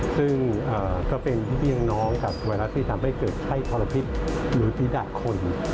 ซึ่งก็เป็นพี่น้องกับไวรัสที่ทำให้เกิดไข้ทรพิษหรือศีรษะคน